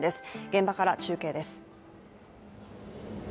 現場から中継です。